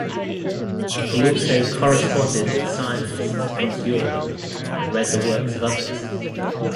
He also corresponded with scientists across Europe and read the works of others.